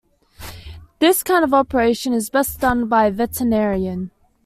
This kind of operation is best done by a veterinarian.